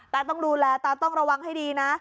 ตาต้องดูแลตาต้องระวังให้ดีนะ